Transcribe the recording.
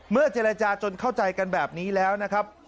เจรจาจนเข้าใจกันแบบนี้แล้วนะครับ